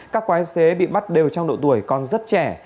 các quái xế bị bắt đều trong độ tuổi còn rất trẻ